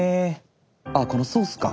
あこのソースか。